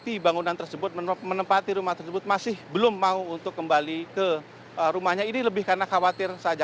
seperti bangunan tersebut menempati rumah tersebut masih belum mau untuk kembali ke rumahnya ini lebih karena khawatir saja